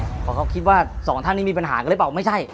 เพราะเขาคิดว่าสองท่านนี้มีปัญหากันหรือเปล่าไม่ใช่